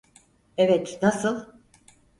Evet, nasıl?